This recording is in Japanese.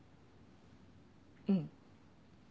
うん。